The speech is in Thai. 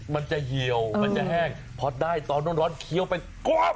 มันจะเหี่ยวมันจะแห้งพอได้ตอนร้อนเคี้ยวไปกว้าง